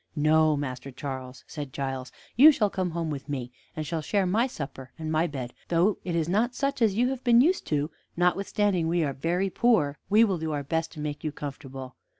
"No, Master Charles," said Giles, "you shall come home with me, and shall share my supper and my bed, though it is not such as you have been used to; notwithstanding we are very poor, we will do our best to make you comfortable."